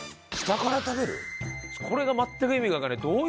これが全く意味がわからない。